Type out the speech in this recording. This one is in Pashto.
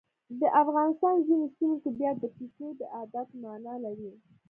د افغانستان ځینو سیمو کې بیا د پیشو د عادت مانا لري.